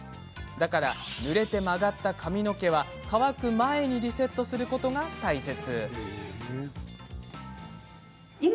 だから、ぬれて曲がった髪の毛は乾く前にリセットすることが大切。